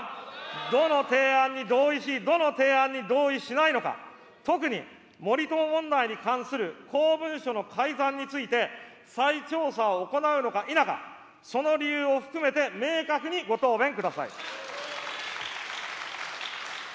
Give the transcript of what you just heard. どの提案に同意し、どの提案に同意しないのか、特に森友問題に関する公文書の改ざんについて、再調査を行うのか否か、その理由を含めて明確にご答弁ください。